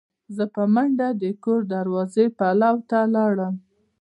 زه په منډه د کور د دروازې پلو ته لاړم.